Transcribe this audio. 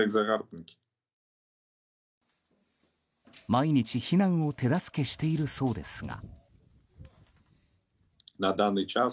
毎日、避難を手助けしているそうですが。